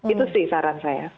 itu sih saran saya